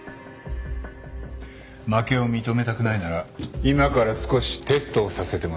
負けを認めたくないなら今から少しテストをさせてもらう。